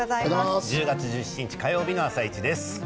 １０月１７日火曜日の「あさイチ」です。